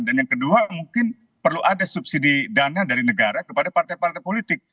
dan yang kedua mungkin perlu ada subsidi dana dari negara kepada partai partai politik